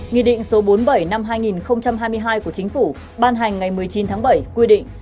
nghị định số bốn mươi bảy năm hai nghìn hai mươi hai của chính phủ ban hành ngày một mươi chín tháng bảy quy định